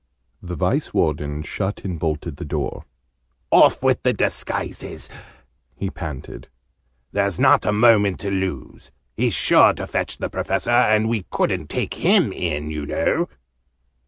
The Vice Warden shut and bolted the door. "Off with the disguises!" he panted. "There's not a moment to lose. He's sure to fetch the Professor, and we couldn't take him in, you know!"